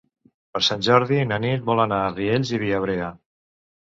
Per Sant Jordi na Nit vol anar a Riells i Viabrea.